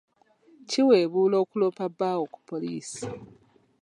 Kiweebuula okuloopa bbaawo ku poliisi.